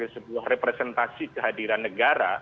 sebuah representasi kehadiran negara